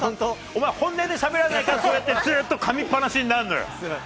お前、本音でしゃべらないから、そうやってずーっとかみっぱなしになるのよ。